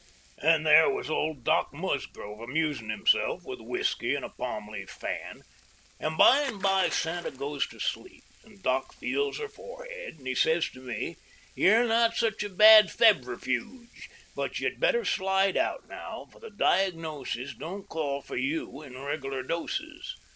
"And there was old Doc Musgrove amusin' himself with whisky and a palm leaf fan. And by and by Santa goes to sleep; and Doc feels her forehead; and he says to me: 'You're not such a bad febrifuge. But you'd better slide out now; for the diagnosis don't call for you in regular doses.